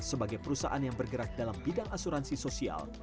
sebagai perusahaan yang bergerak dalam bidang asuransi sosial